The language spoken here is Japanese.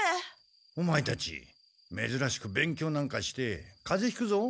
オマエたちめずらしく勉強なんかしてかぜひくぞ。